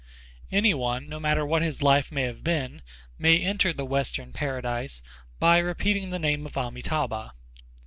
Any one, no matter what his life may have been, may enter the Western Paradise by repeating the name of Amitâbha.